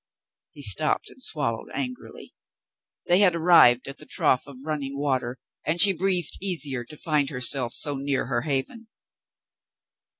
He stopped and swallowed angrily. They had arrived at the trough of running water, and she breathed easier to find herself so near her haven.